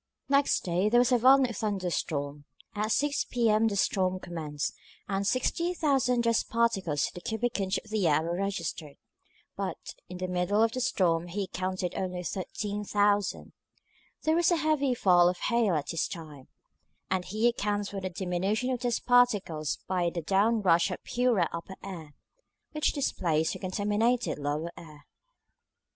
Next day there was a violent thunder storm. At 6 P.M. the storm commenced, and 60,000 dust particles to the cubic inch of air were registered; but in the middle of the storm he counted only 13,000. There was a heavy fall of hail at this time, and he accounts for the diminution of dust particles by the down rush of purer upper air, which displaced the contaminated lower air.